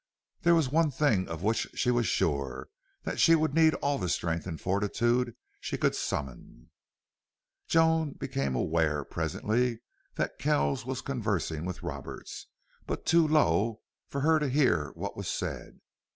There was one thing of which she was sure that she would need all the strength and fortitude she could summon. Joan became aware, presently, that Kells was conversing with Roberts, but too low for her to hear what was said.